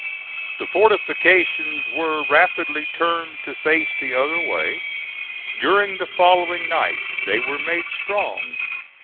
The fortifications were rapidly turned to face the other way. During the following night they were made strong.